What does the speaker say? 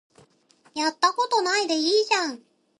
やったことないでいいじゃん